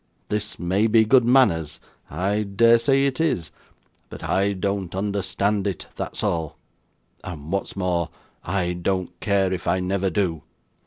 This may be good manners I dare say it is but I don't understand it, that's all; and what's more, I don't care if I never do.